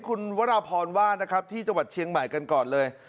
คุณวราพรว่านะครับที่จังหวัดเชียงใหม่กันก่อนเลย